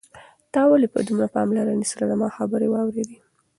تا ولې په دومره پاملرنې سره زما خبرې واورېدې؟